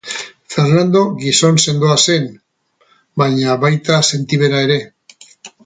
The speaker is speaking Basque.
Fernando gizon sendoa zen baina baita sentibera ere.